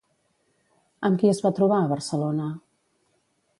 Amb qui es va trobar a Barcelona?